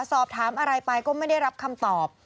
สอบถามอะไรไปก็ไม่ได้รับคำตอบ